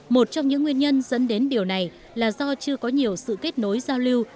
một trong những nguyên nhân dẫn đến điều này là do chưa có nhiều sự kết nối giao lưu